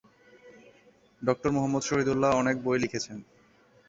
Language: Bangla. ডক্টর মুহম্মদ শহীদুল্লাহ অনেক বই লিখেছেন।